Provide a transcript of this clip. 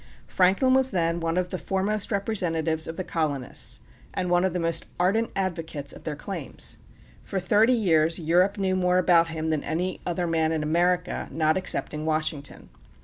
Franklin was then one of the foremost representatives of the colonists, and one of the most ardent advocates of their claims. For thirty years Europe knew more about him than any other man in America, not excepting Washington.